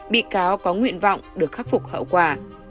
bị cáo có nguyện vọng được khắc phục hậu quả